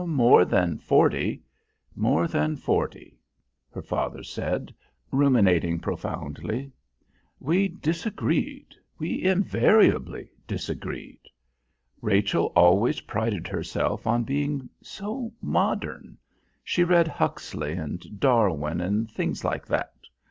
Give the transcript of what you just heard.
"More than forty; more than forty," her father said, ruminating profoundly. "We disagreed, we invariably disagreed. Rachel always prided herself on being so modern. She read Huxley and Darwin and things like that.